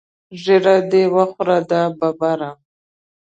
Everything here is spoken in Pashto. ږیره دې وخوره دا ببره.